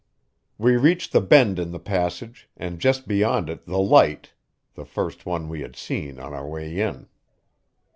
We reached the bend in the passage, and just beyond it the light the first one we had seen on our way in.